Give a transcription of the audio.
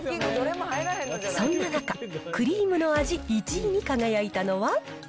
そんな中、クリームの味１位に輝いたのは。